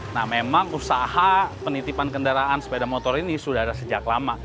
nah memang usaha penitipan kendaraan sepeda motor ini sudah ada sejak lama